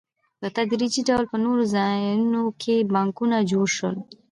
په تدریجي ډول په نورو ځایونو کې بانکونه جوړ شول